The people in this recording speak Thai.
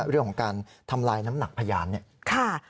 เรื่องของการทำลายน้ำหนักพยานเนี่ย